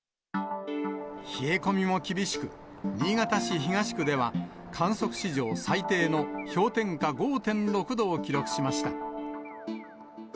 冷え込みも厳しく、新潟市東区では、観測史上最低の氷点下５．６度を記録しました。